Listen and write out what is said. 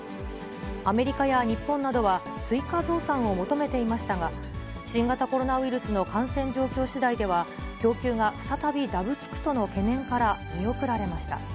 アメリカや日本などは追加増産を求めていましたが、新型コロナウイルスの感染状況しだいでは、供給が再びだぶつくとの懸念から見送られました。